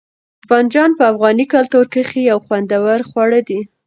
بانجڼ په افغاني کلتور کښي یو خوندور خواړه دي.